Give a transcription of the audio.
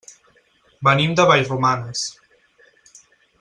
Venim de Vallromanes.